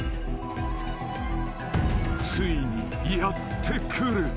［ついにやって来る］